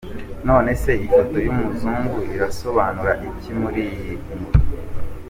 None se ifoto yumuzungu irasobanura iki muri iyi nkuru?.